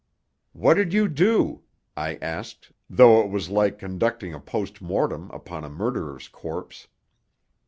"What did you do?" I asked, though it was like conducting a postmortem upon a murderer's corpse.